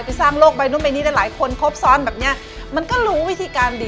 ไปสร้างโลกใบนู้นใบนี้และหลายคนครบซ้อนแบบนี้